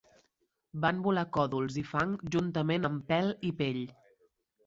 Van volar còdols i fang juntament amb pèl i pell.